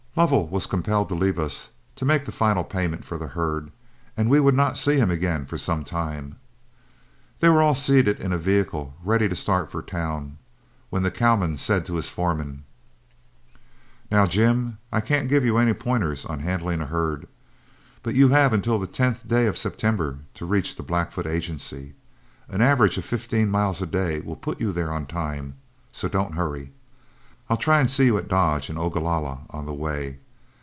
Lovell was compelled to leave us, to make the final payment for the herd, and we would not see him again for some time. They were all seated in the vehicle ready to start for town, when the cowman said to his foreman, "Now, Jim, I can't give you any pointers on handling a herd, but you have until the 10th day of September to reach the Blackfoot Agency. An average of fifteen miles a day will put you there on time, so don't hurry. I'll try and see you at Dodge and Ogalalla on the way.